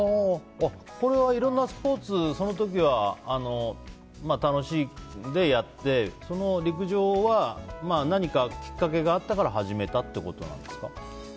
これは、いろんなスポーツその時は楽しんでやって陸上は何かきっかけがあったから始めたということなんですか。